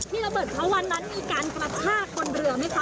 ที่โรเบิร์ตเท่าวันนั้นมีการกระชากวนเรือไหมครับ